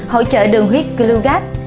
hỗ trợ đường huyết glugas